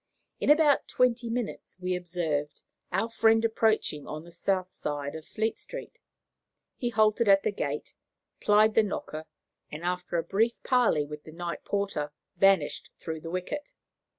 In about twenty minutes we observed our friend approaching on the south side of Fleet Street. He halted at the gate, plied the knocker, and after a brief parley with the night porter vanished through the wicket.